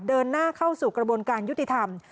เดินหน้าเข้าสู่กระบวนการยุติธรรม